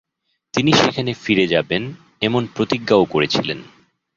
তিনি সেখানে ফিরে যাবেন, এমন প্রতিজ্ঞাও করেছিলেন।